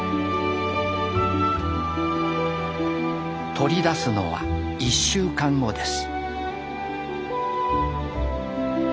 取り出すのは１週間後です。